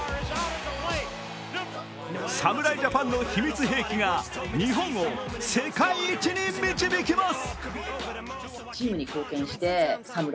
侍ジャパンの秘密兵器が日本を世界一に導きます。